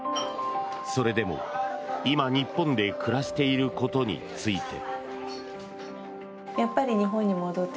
それでも今、日本で暮らしていることについて。